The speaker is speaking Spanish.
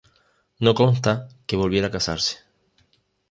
No consta que volviera a casarse.